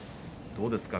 どうですか？